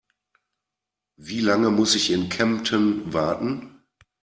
Wie lange muss ich in Kempten warten?